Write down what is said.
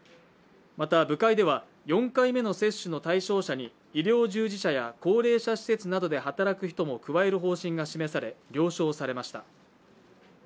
また部会では、４回目の接種の対象者に高齢者施設などで働く人も加える方針が示され了承されました。